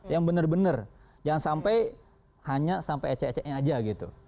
yang benar benar jangan sampai hanya sampai ecek eceknya aja gitu